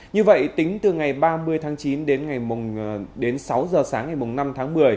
như vậy tính từ ngày ba mươi tháng chín đến sáu giờ sáng ngày năm tháng một mươi